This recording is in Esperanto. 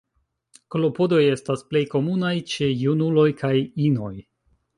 Klopodoj estas plej komunaj ĉe junuloj kaj inoj.